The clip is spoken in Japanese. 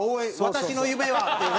「私の夢は」っていうね。